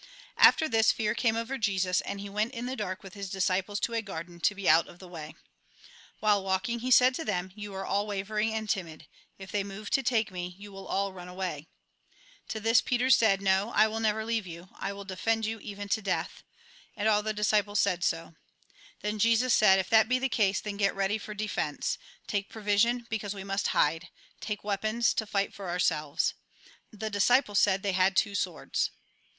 After this, fear came over Jesus, and he went in the dark with his disciples to a garden, to be out of the way. While walking, he said to them :" You are all wavering and timid ; if they move to take me, you will all run away." To this, Peter said :" No, I will never leave you ; I will defend you even to A RECAPITULATION 211 death." And all the disciples said so. Then Jesus said :" If that be the case, then get ready for de fence ; take provision, because we must hide, take weapons, to fight for ourselves." The disciples said they had two swords.